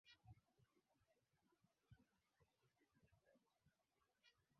Baada ya kikao ambapo Wayahudi walitafuta kisingizio cha kisiasa